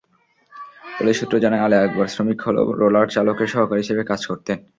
Police সূত্র জানায়, আলী আকবর শ্রমিক হলেও রোলার চালকের সহকারী হিসেবে কাজ করতেন।